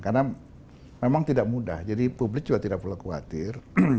karena memang tidak mudah jadi publik juga tidak perlu khawatir